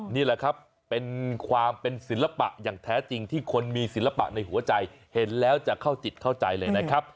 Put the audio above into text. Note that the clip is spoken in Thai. นี่แหละครับเป็นความเป็นศิลปะอย่างแท้จริงที่คนมีศิลปะในหัวใจเห็นแล้วจะเข้าจิตเข้าใจเลยนะครับ